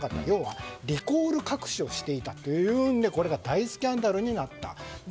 要はリコール隠しをしていたというんでこれが大スキャンダルになった。